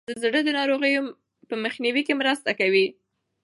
د صحي هوا تنفس د زړه د ناروغیو په مخنیوي کې مرسته کوي.